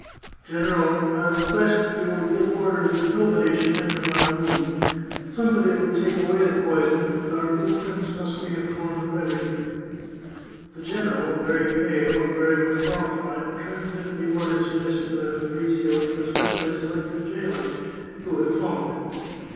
... General, I request you will g^ve orders that nobody shall enter my room. Somebody would take away the poison, and our good prince must be informed of everything." The general, very pale, and very much horrified, trans mitted the order suggested by Fabrizio to the specially The Chartreuse of Parma selected jailers, who had followed him.